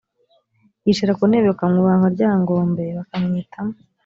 yicara ku ntebe bakamwubaha nka ryangombe bakamwita